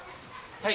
はい。